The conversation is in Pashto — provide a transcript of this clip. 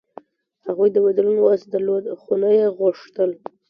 هغوی د بدلون وس درلود، خو نه یې غوښتل.